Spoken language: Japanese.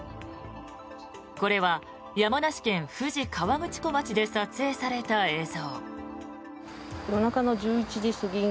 これは山梨県富士河口湖町で撮影された映像。